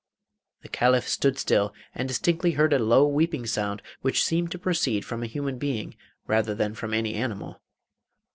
The Caliph stood still and distinctly heard a low weeping sound which seemed to proceed from a human being rather than from any animal.